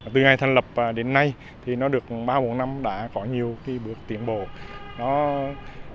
từ ngày thành lập đến nay ba bốn năm đã có nhiều bước tiến bộ đã giúp hỗ trợ cho rất nhiều bệnh nhân trong cả nước